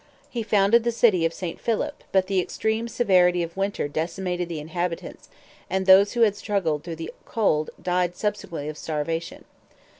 He founded the city of St. Philip, but the extreme severity of winter decimated the inhabitants, and those who had struggled through the cold died subsequently of starvation.